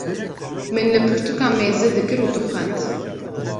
min li pirtûkan mêze dikir û dixwend.